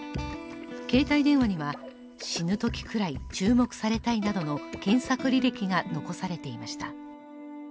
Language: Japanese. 携帯電話には、死ぬときくらい注目されたいなどの検索履歴が残されていました。